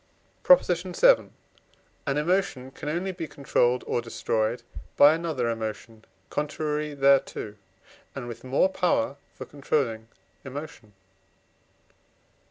PROP. VII. An emotion can only be controlled or destroyed by another emotion contrary thereto, and with more power for controlling emotion.